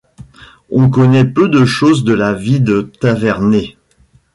On connaît peu de chose de la vie de Taverner.